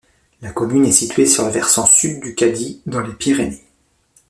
La commune est située sur le versant sud du Cadí, dans les Pyrénées.